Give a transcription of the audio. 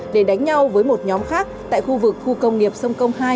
để đánh nhau với một nhóm khác tại khu vực khu công nghiệp sông công hai